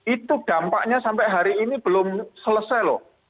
itu dampaknya sampai hari ini belum selesai loh